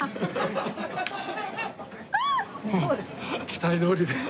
期待どおりで。